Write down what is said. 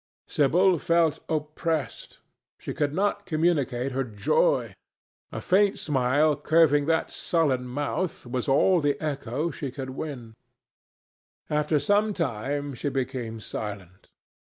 Sibyl felt oppressed. She could not communicate her joy. A faint smile curving that sullen mouth was all the echo she could win. After some time she became silent.